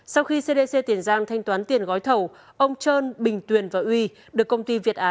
sau khi cdc tiền giang thanh toán tiền gói thầu ông trân bình tuyền và uy được công ty việt á